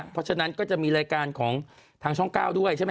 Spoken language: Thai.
เพราะฉะนั้นก็จะมีรายการของทางช่อง๙ด้วยใช่ไหม